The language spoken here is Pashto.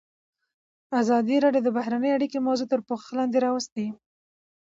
ازادي راډیو د بهرنۍ اړیکې موضوع تر پوښښ لاندې راوستې.